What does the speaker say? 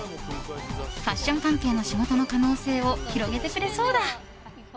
ファッション関係の仕事の可能性を広げてくれそうだ。